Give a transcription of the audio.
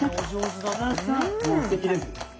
・もうすてきです。